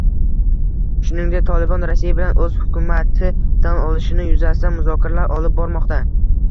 Shuningdek, Tolibon Rossiya bilan o‘z hukumati tan olinishi yuzasidan muzokaralar olib bormoqda